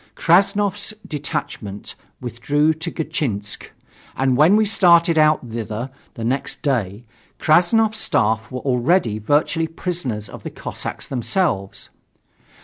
Krassnov's detachment withdrew to Gatchinsk, and when we started out thither the next day, Krassnov's staff were already virtually prisoners of the Cossacks themselves.